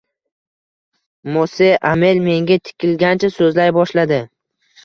Mos`e Amel menga tikilgancha so`zlay boshladi